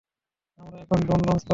আমরা এখন drone launch করব।